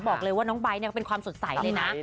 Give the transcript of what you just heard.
บอกเลยว่าน้องไบท์ก็เป็นความสดใสเลยนะ